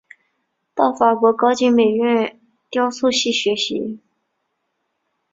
到法国高级美术学院雕塑系学习。